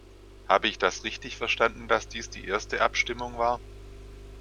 Habe ich das richtig verstanden, dass dies die erste Abstimmung war?